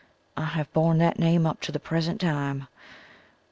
I have borne that name up to the present time.